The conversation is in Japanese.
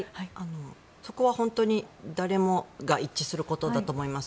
そこは本当に誰もが一致することだと思います。